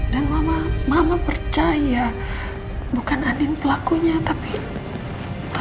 dan mama mama percaya bukan andin pelakunya tapi masa keluarganya tadi